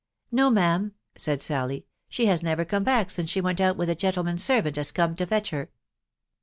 "" No, ma'am/' said Sally ; if she has never come bad since she went out with the gentleman's servant aa corned to fetch her."